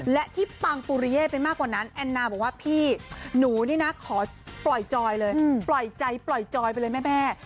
และที่ปังปุรี่ลเป็นมากกว่านั้นแอนนารบอกว่าขอปล่อยใจปล่อยจอยไปเลยแม่แดน